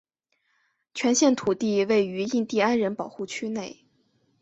全县土地都位于印地安人保护区内。